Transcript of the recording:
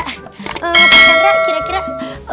pak chandra kira kira